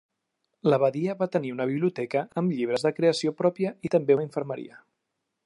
L'abadia va tenir una biblioteca amb llibres de creació pròpia i també una infermeria.